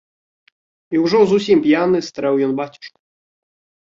І ўжо зусім п'яны стрэў ён бацюшку.